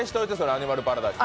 「アニマルパラダイス」。